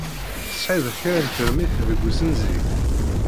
Tesɛid kra n termit deg ussenzi?